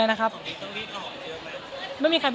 คุณทรอยไขมันเพียสเป็นหรอ